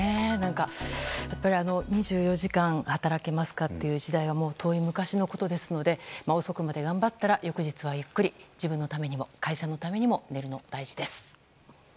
やっぱり２４時間働けますかという時代は遠い昔のことなので遅くまで頑張ったら翌日までゆっくり自分のためにも会社のためにも寝るのが大事です。